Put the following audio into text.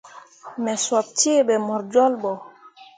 Me sop cee ɓe mor jolɓo.